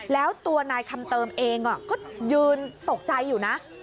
แล้วตัวนายคำเติมเองก็ยืนตกใจอยู่นะ